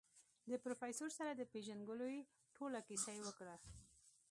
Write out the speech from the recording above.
د پروفيسر سره د پېژندګلوي ټوله کيسه يې وکړه.